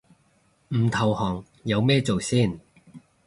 唔投降有咩做先